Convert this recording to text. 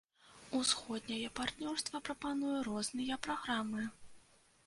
Усходняе партнёрства прапануе розныя праграмы.